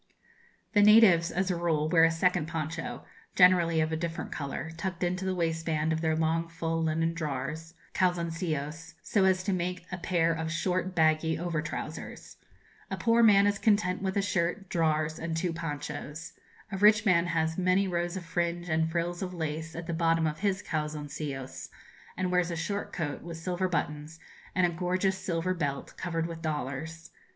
The natives, as a rule, wear a second poncho, generally of a different colour, tucked into the waistband of their long full linen drawers (calzoncillos), so as to make a pair of short baggy over trousers. A poor man is content with a shirt, drawers, and two ponchos. A rich man has many rows of fringe and frills of lace at the bottom of his calzoncillos, and wears a short coat, with silver buttons, and a gorgeous silver belt, covered with dollars.